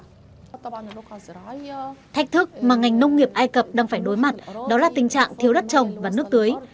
thách thức mà ngành nông nghiệp ai cập đang phải đối mặt đó là tình trạng thiếu đất trồng và nước tưới